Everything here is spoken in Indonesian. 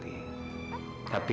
tapi sekarang sudah gak apa apa kok